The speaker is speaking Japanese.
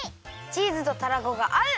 チーズとたらこがあう！